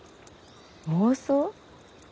妄想？